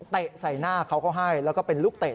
ใส่หน้าเขาก็ให้แล้วก็เป็นลูกเตะ